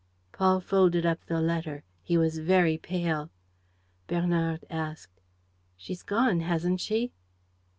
Paul folded up the letter. He was very pale. Bernard asked: "She's gone, hasn't she?"